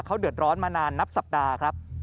เขาเดือดร้อนมานานนับสัปดาห์ครับ